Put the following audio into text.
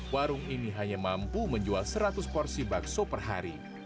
warung ini hanya mampu menjual seratus porsi bakso per hari